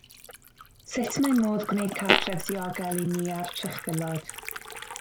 Sut mae modd gwneud cartref diogel i ni a'r trychfilod?